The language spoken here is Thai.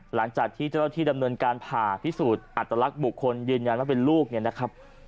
หลังจากที่เจ้าหน้าที่ดำเนินการผ่าพิสูจน์อัตลักษณ์บุคคลยืนยันว่าเป็นลูกเนี่ยนะครับ